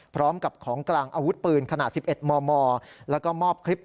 พร้อมกับของกลางอาวุธปืนขนาด๑๑มมแล้วก็มอบคลิป